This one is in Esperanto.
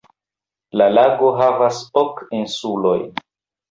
La lago havas ok insulojn.